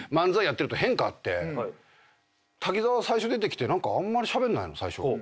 滝沢最初出てきて何かあんまりしゃべんないの。